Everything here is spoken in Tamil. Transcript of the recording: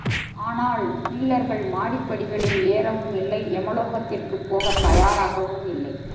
ஆனால், பீலர்கள் மாடிப் படிகளில் ஏறவுமில்லை, எமலோகத்திற்குப் போகத் தயாராகவும் இல்லை.